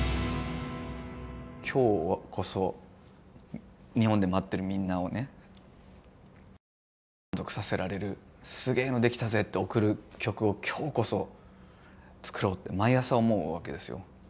今日こそ日本で待ってるみんなをね満足させられるすげえのできたぜって送る曲を今日こそ作ろうって毎朝思うわけですよ。